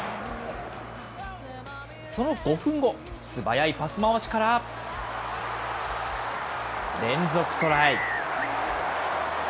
その５分後、素早いパス回しから、連続トライ。